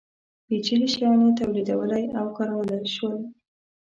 پېچلي شیان یې تولیدولی او کارولی شول.